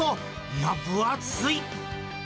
いや、分厚い。